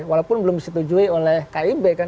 walaupun belum disetujui oleh kib kan